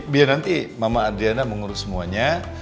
biar nanti mama adriana mengurus semuanya